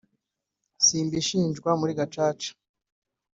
Simbi shinjwa muri gacaca,